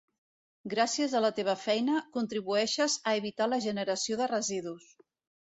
Gràcies a la teva feina, contribueixes a evitar la generació de residus.